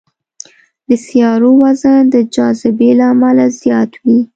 د سیارو وزن د جاذبې له امله زیات وي.